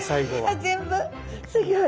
あっ全部すギョい。